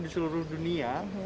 di seluruh dunia